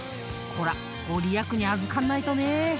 ［こら御利益にあずかんないとね］